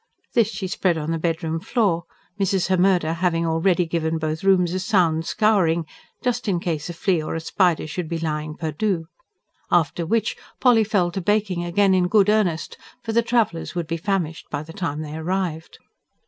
This she spread on the bedroom floor, Mrs. Hemmerde having already given both rooms a sound scouring, just in case a flea or a spider should be lying perdu. After which Polly fell to baking again in good earnest; for the travellers would be famished by the time they arrived.